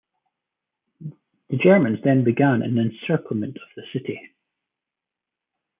The Germans then began an encirclement of the city.